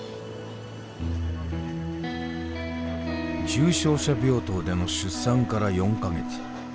重症者病棟での出産から４か月。